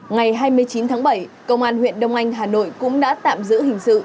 ngày hai mươi chín tháng bảy công an huyện đông anh hà nội cũng đã tạm giữ hình sự